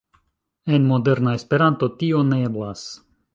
En moderna Esperanto tio ne eblas.